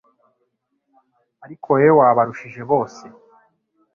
ariko wowe wabarushije bose»